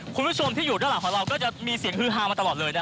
คุณผู้ชมที่อยู่ด้านหลังของเราก็จะมีเสียงฮือฮามาตลอดเลย